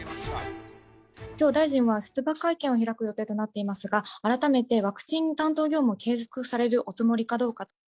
きょう、大臣は出馬会見を開く予定となっていますが、改めてワクチン担当業務を継続されるおつもりかどうか。